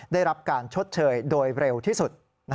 ได้รับการชดเชยโดยเร็วที่สุด